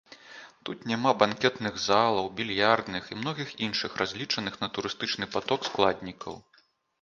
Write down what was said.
Тут няма банкетных залаў, більярдных і многіх іншых разлічаных на турыстычны паток складнікаў.